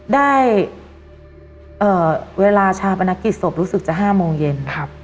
ได้เวลาชาปนกิจศพรู้สึกจะ๕โมงเย็น